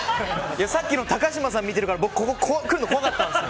さっきの高嶋さん見てるから僕、ここに来るの怖かったんです。